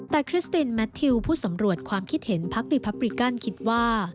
แต่คริสตินแมททิวผู้สำรวจความคิดเห็นพักรีพับริกันคิดว่า